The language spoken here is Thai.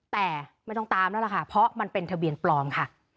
แต่ไม่ต้องตามแล้วล่ะค่ะเพราะมันเป็นทะเบียนปลอมค่ะ